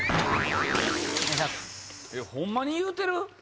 ホンマに言うてる？